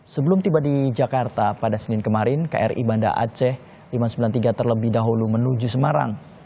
sebelum tiba di jakarta pada senin kemarin kri banda aceh lima ratus sembilan puluh tiga terlebih dahulu menuju semarang